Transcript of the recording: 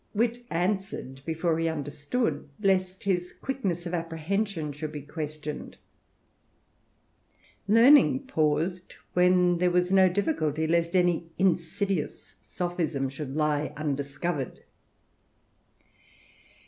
Wit answered before he understood, lest his quickness of appre hension should be questioned; Learning paused, where there was no difficulty, lest any insidious sophism should lie undiscovered.